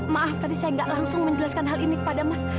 maaf tadi saya nggak langsung menjelaskan hal ini kepada mas